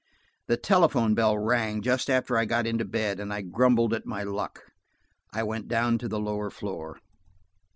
The telephone bell rang just after I got into bed, and grumbling at my luck, I went down to the lower floor.